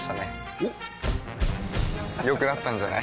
おっ良くなったんじゃない？